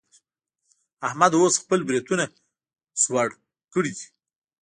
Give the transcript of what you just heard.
احمد اوس خپل برېتونه څوړ کړي دي.